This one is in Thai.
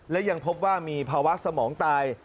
และยังพบว่ามีภาวะสมองตาย